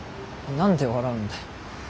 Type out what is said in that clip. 何で笑うんだよ。